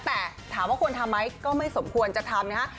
แต่ถามว่าควรทำไหมก็ไม่สมควรจะทำนะฮะ